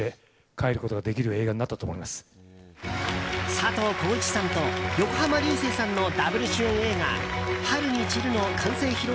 佐藤浩市さんと横浜流星さんのダブル主演映画「春に散る」の完成披露